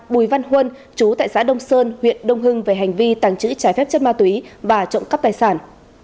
bùi văn huân chú tại xã đông sơn huyện đông hưng về hành vi tàng trữ trái phép chất ma túy và trộm cắp tài sản